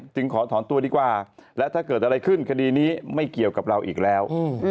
ขอถอนตัวดีกว่าและถ้าเกิดอะไรขึ้นคดีนี้ไม่เกี่ยวกับเราอีกแล้ว